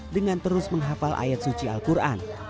dengan terus menghafal ayat suci al quran